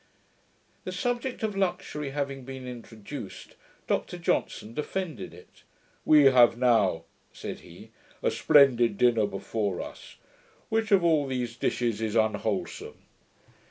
The subject of luxury having been introduced, Dr Johnson defended it. 'We have now,' said he, 'a splendid dinner before us. Which of all these dishes is unwholsome?'